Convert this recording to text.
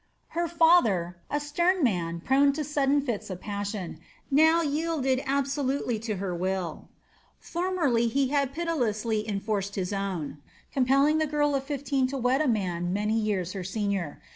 Her father, a stern man prone to sudden fits of passion, now yielded absolutely to her will. Formerly he had pitilessly enforced his own, compelling the girl of fifteen to wed a man many years her senior.